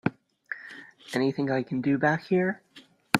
Anything I can do back here?